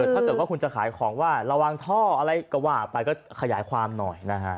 ถ้าเกิดว่าคุณจะขายของว่าระวังท่ออะไรก็ว่าไปก็ขยายความหน่อยนะฮะ